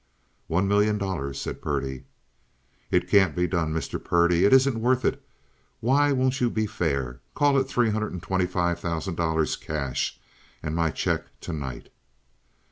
"One million dollars," said Purdy. "It can't be done, Mr. Purdy. It isn't worth it. Why won't you be fair? Call it three hundred and twenty five thousand dollars cash, and my check to night."